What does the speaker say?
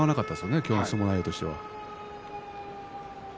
今日の相撲内容としては。